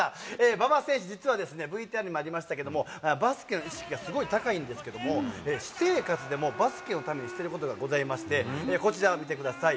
馬場選手、実はＶＴＲにもありましたけれども、バスケの意識がすごい高いんですけども、私生活でもバスケのためにしてることがございまして、こちらを見てください。